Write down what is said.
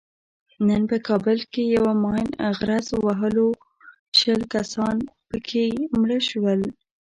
نن په کابل کې یوه ماین غرز وهلو شل کسان پکې مړه شول.